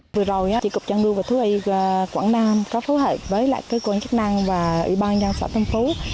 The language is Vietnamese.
trước tình hình đó tri cục trăn nuôi và thú y quảng nam có phối hợp với cơ quan chức năng và ủy ban giang sở thông phố